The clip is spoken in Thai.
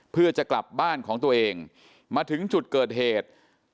เพื่อจะกลับบ้านของตัวเองมาถึงจุดเกิดเหตุ